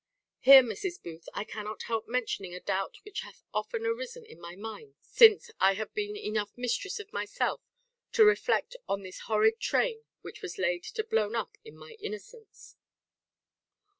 "Here, Mrs. Booth, I cannot help mentioning a doubt which hath often arisen in my mind since I have been enough mistress of myself to reflect on this horrid train which was laid to blow up my innocence.